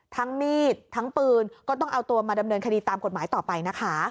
มีดทั้งปืนก็ต้องเอาตัวมาดำเนินคดีตามกฎหมายต่อไปนะคะ